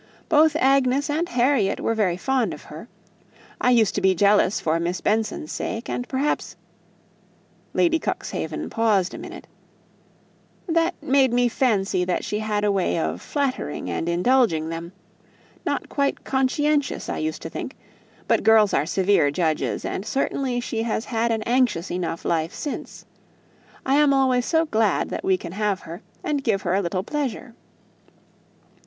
Both Agnes and Harriet were very fond of her. I used to be jealous for Miss Benson's sake, and perhaps " Lady Cuxhaven paused a minute "that made me fancy that she had a way of flattering and indulging them not quite conscientious, I used to think. But girls are severe judges, and certainly she had had an anxious enough lifetime. I am always so glad when we can have her, and give her a little pleasure.